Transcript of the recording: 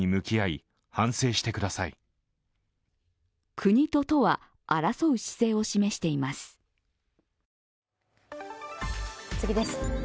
国と都は争う姿勢を示しています。